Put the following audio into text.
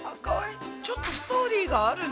ちょっとストーリーがあるね。